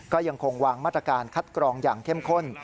ก็ยังคงวางมาตรการคัดกรองอย่างเข้มข้น